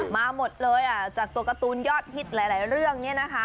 มาหมดเลยจากตัวการ์ตูนยอดฮิตหลายเรื่องนี้นะคะ